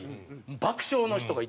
爆笑の人がいてて。